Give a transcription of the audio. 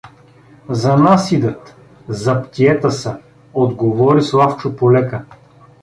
— За нас идат… заптиета са — отговори Славчо полека.